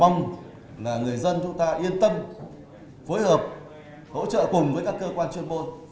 mong là người dân chúng ta yên tâm phối hợp hỗ trợ cùng với các cơ quan chuyên môn